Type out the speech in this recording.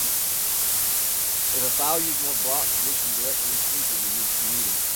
If a file used more blocks, additional directory entries would be needed.